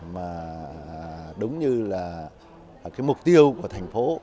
mà đúng như là cái mục tiêu của thành phố